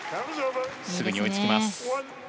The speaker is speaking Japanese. すぐに追いつきます。